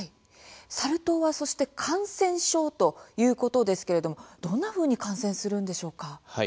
サル痘は感染症ということですけれども、どんなふうに感染するのでしょうか？